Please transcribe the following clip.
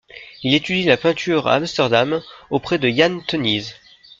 Il étudie la peinture à Amsterdam auprès de Jan Theunisz.